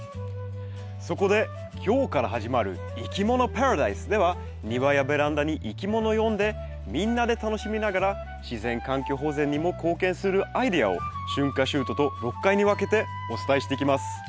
そこで今日から始まる「いきものパラダイス」では庭やベランダにいきもの呼んでみんなで楽しみながら自然環境保全にも貢献するアイデアを春夏秋冬と６回に分けてお伝えしていきます。